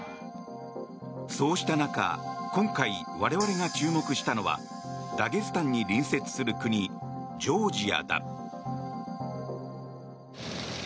そうした中、今回我々が注目したのはダゲスタンに隣接する国ジョージアだ。